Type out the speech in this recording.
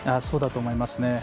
そうだと思いますね。